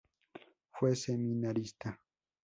Fue seminarista.